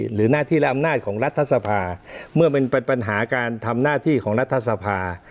หรือหน้าที่และอำนาจของรัฐสภาเมื่อเป็นปัญหาการทำหน้าที่ของรัฐสภา